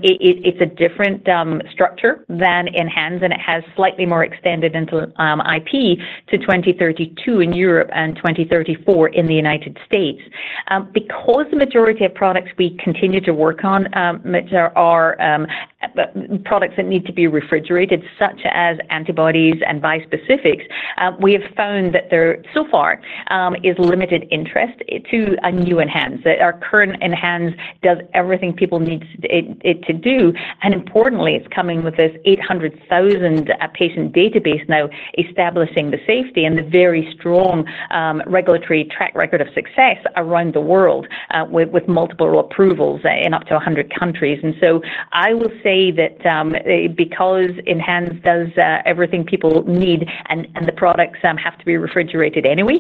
It's a different structure than ENHANZE, and it has slightly more extended into IP to 2032 in Europe and 2034 in the United States. Because the majority of products we continue to work on are products that need to be refrigerated, such as antibodies and bispecifics, we have found that there so far is limited interest to a new ENHANZE. Our current ENHANZE does everything people need it to do. And importantly, it's coming with this 800,000-patient database now establishing the safety and the very strong regulatory track record of success around the world with multiple approvals in up to 100 countries. And so I will say that because ENHANZE does everything people need and the products have to be refrigerated anyway,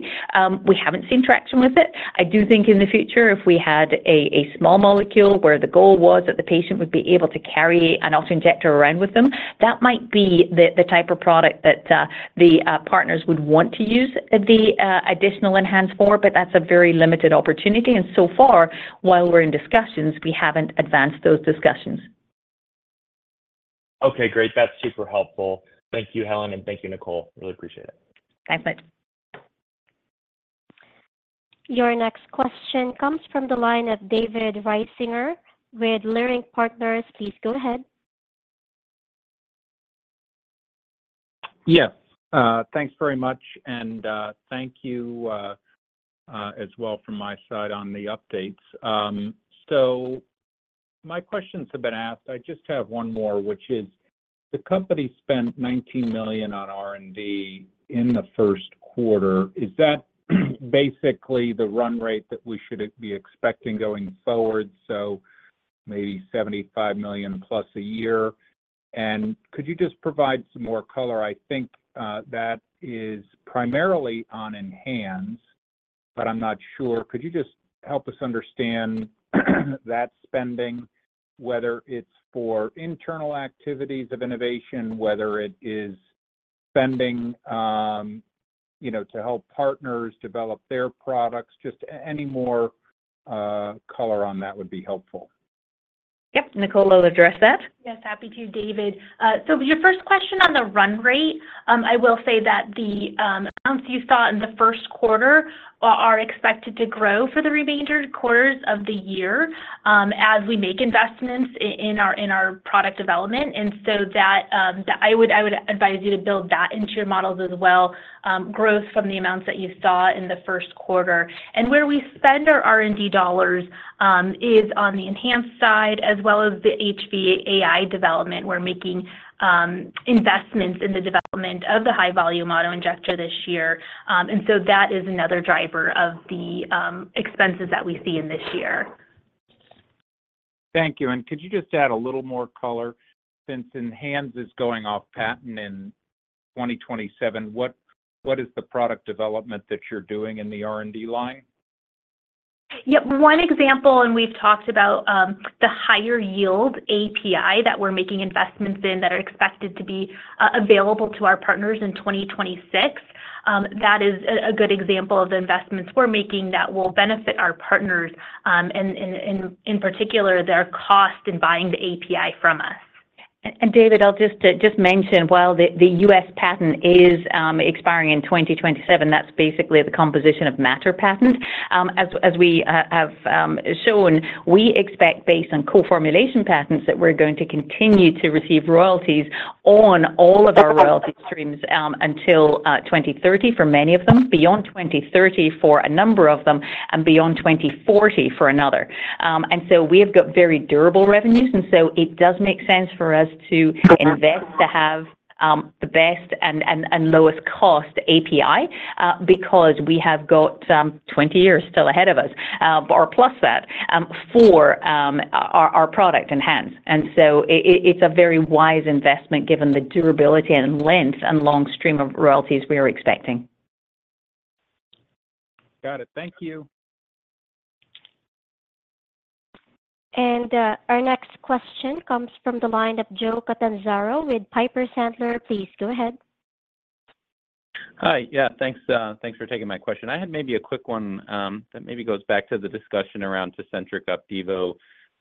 we haven't seen traction with it. I do think in the future, if we had a small molecule where the goal was that the patient would be able to carry an auto-injector around with them, that might be the type of product that the partners would want to use the additional ENHANZE for. But that's a very limited opportunity. And so far, while we're in discussions, we haven't advanced those discussions. Okay. Great. That's super helpful. Thank you, Helen, and thank you, Nicole. Really appreciate it. Thanks, Mitch. Your next question comes from the line of David Risinger with Leerink Partners. Please go ahead. Yeah. Thanks very much. And thank you as well from my side on the updates. So my questions have been asked. I just have one more, which is, the company spent $19 million on R&D in the first quarter. Is that basically the run rate that we should be expecting going forward, so maybe $75 million plus a year? And could you just provide some more color? I think that is primarily on ENHANZE, but I'm not sure. Could you just help us understand that spending, whether it's for internal activities of innovation, whether it is spending to help partners develop their products? Just any more color on that would be helpful. Yep. Nicole will address that. Yes. Happy to, David. So your first question on the run rate, I will say that the amounts you saw in the first quarter are expected to grow for the remaining quarters of the year as we make investments in our product development. And so I would advise you to build that into your models as well, growth from the amounts that you saw in the first quarter. And where we spend our R&D dollars is on the ENHANZE side as well as the HVAI development. We're making investments in the development of the high-volume auto-injector this year. And so that is another driver of the expenses that we see in this year. Thank you. And could you just add a little more color? Since ENHANZE is going off patent in 2027, what is the product development that you're doing in the R&D line? Yep. One example, and we've talked about the higher yield API that we're making investments in that are expected to be available to our partners in 2026, that is a good example of the investments we're making that will benefit our partners, and in particular, their cost in buying the API from us. And David, I'll just mention, while the U.S. patent is expiring in 2027, that's basically the composition of matter patents. As we have shown, we expect, based on coformulation patents, that we're going to continue to receive royalties on all of our royalty streams until 2030 for many of them, beyond 2030 for a number of them, and beyond 2040 for another. And so we have got very durable revenues. And so it does make sense for us to invest to have the best and lowest-cost API because we have got 20 years still ahead of us or plus that for our product ENHANZE. And so it's a very wise investment given the durability and length and long stream of royalties we are expecting. Got it. Thank you. And our next question comes from the line of Joe Catanzaro with Piper Sandler. Please go ahead. Hi. Yeah. Thanks for taking my question. I had maybe a quick one that maybe goes back to the discussion around TECENTRIQ, Opdivo,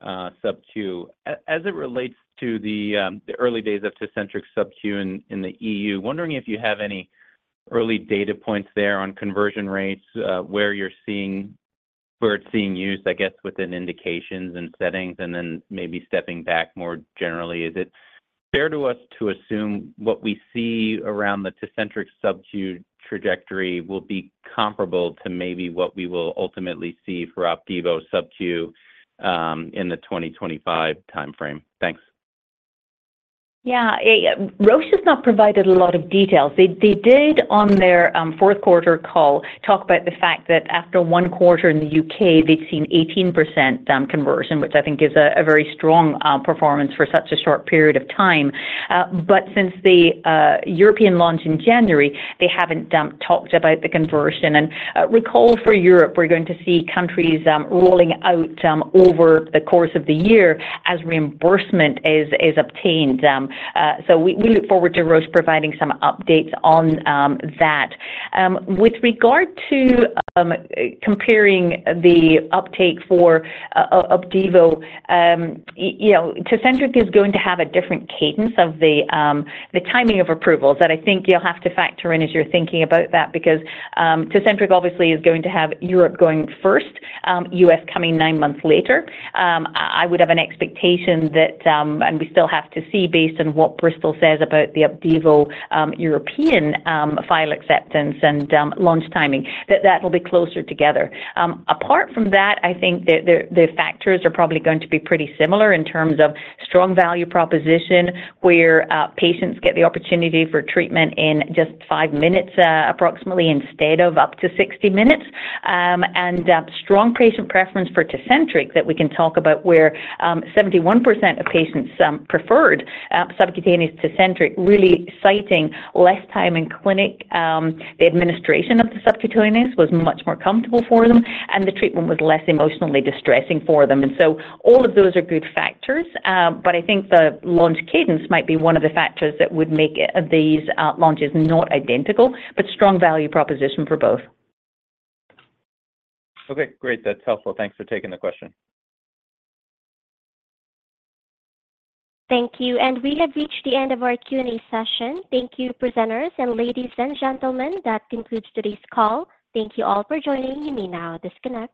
subQ. As it relates to the early days of TECENTRIQ subQ in the EU, wondering if you have any early data points there on conversion rates, where it's seeing used, I guess, within indications and settings, and then maybe stepping back more generally. Is it fair to us to assume what we see around the TECENTRIQ subQ trajectory will be comparable to maybe what we will ultimately see for Opdivo subQ in the 2025 timeframe? Thanks. Yeah. Roche has not provided a lot of details. They did, on their fourth-quarter call, talk about the fact that after one quarter in the U.K., they'd seen 18% conversion, which I think is a very strong performance for such a short period of time. But since the European launch in January, they haven't talked about the conversion. And recall for Europe, we're going to see countries rolling out over the course of the year as reimbursement is obtained. So we look forward to Roche providing some updates on that. With regard to comparing the uptake for Opdivo, Tecentriq is going to have a different cadence of the timing of approvals that I think you'll have to factor in as you're thinking about that because Tecentriq obviously is going to have Europe going first, U.S. coming 9 months later. I would have an expectation that and we still have to see based on what Bristol says about the Opdivo European file acceptance and launch timing, that that will be closer together. Apart from that, I think the factors are probably going to be pretty similar in terms of strong value proposition where patients get the opportunity for treatment in just 5 minutes approximately instead of up to 60 minutes, and strong patient preference for Tecentriq that we can talk about where 71% of patients preferred subcutaneous Tecentriq, really citing less time in clinic. The administration of the subcutaneous was much more comfortable for them, and the treatment was less emotionally distressing for them. And so all of those are good factors. But I think the launch cadence might be one of the factors that would make these launches not identical, but strong value proposition for both. Okay. Great. That's helpful. Thanks for taking the question. Thank you. And we have reached the end of our Q&A session. Thank you, presenters. And ladies and gentlemen, that concludes today's call. Thank you all for joining. You may now disconnect.